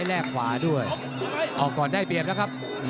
โยกไปโยกมาขวากลับซ้ายซ้ายกลับขวามันสนุกแน่นอนครับคุณผู้ชม